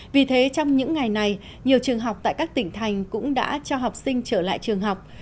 vì thế trong những ngày này nhiều trường học tại các tỉnh thành cũng đã cho học sinh trở lại trường học